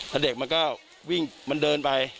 แล้วเด็กมันก็วิ่งมันเดินไป